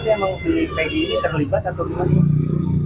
tapi yang mau pilih peggy ini terlibat atau gimana sih